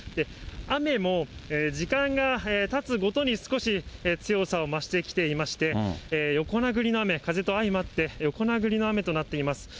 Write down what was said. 雨も時間がたつごとに少し、強さを増してきていまして、横殴りの雨、風と相まって、横殴りの雨となっています。